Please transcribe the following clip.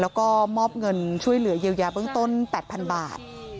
แล้วก็มอบเงินช่วยเหลือเยียวยาเบื้องต้น๘๐๐๐บาท